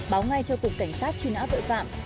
báo ngay cho cục cảnh sát truy nã tội phạm